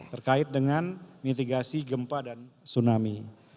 terkait dengan mitigasi gempa dan tsunami